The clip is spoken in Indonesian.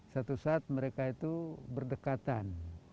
satu saat mereka itu berdekatan